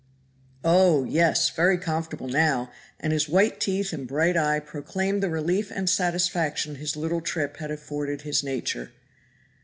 "Oh! yes, very comfortable now," and his white teeth and bright eye proclaimed the relief and satisfaction his little trip had afforded his nature.